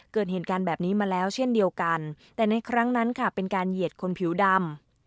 เกิดเหตุการณ์แบบนี้มาแล้วเช่นเดียวกันแต่ในครั้งนั้นค่ะเป็นการเหยียดคนผิวดำ